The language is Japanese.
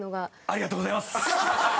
ありがとうございます！